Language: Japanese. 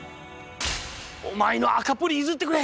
お前の赤プリ譲ってくれ！